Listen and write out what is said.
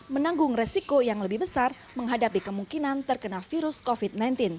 menanggung resiko yang lebih besar menghadapi kemungkinan terkena virus covid sembilan belas